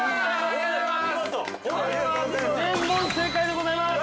◆全問正解でございます！